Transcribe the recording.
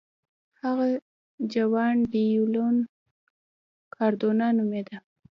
هغه جوان ډي لیون کاردونا نومېده.